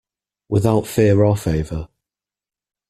Without fear or favour.